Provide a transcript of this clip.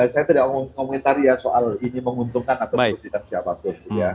saya tidak mau ngomongin tadi ya soal ini menguntungkan atau tidak siapapun